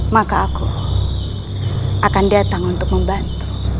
maka aku akan datang untuk membantu